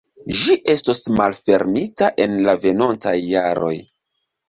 Ĝi estos malfermita en la venontaj jaroj.